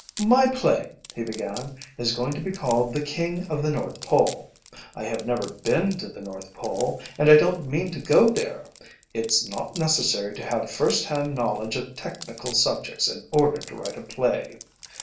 "My play," he began, "is going to be called 'The King of the North Pole.' I have never been to the North Pole, and I don't mean to go there. It's not necessary to have first hand knowledge of technical subjects in order to write a play.